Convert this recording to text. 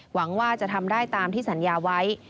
หวังว่าจะทำได้ตามที่สัญญาไว้